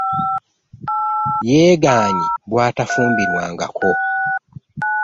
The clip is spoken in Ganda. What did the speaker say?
Yegaanyi nga bwatafumbirwangako.